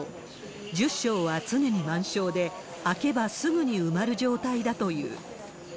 １０床は常に満床で、空けばすぐに埋まる状態だという。